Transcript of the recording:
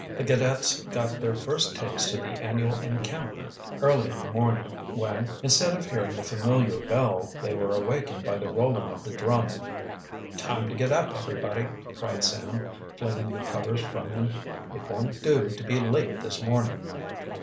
_ The cadets got their first taste of the annual encampment early in the morning, when, instead of hearing the familiar bell, they were awakened by the rolling of the drum. "Time to get up, everybody!" cried Sam, flinging the covers from him. "It won't do to be late this morning."